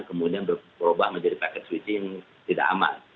kemudian berubah menjadi pakai switching tidak aman